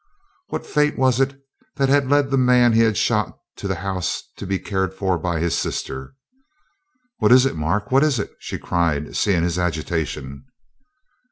What fate was it that had led the man he had shot to the house to be cared for by his sister? "What is it, Mark? What is it?" she cried, seeing his agitation.